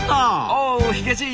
おヒゲじい。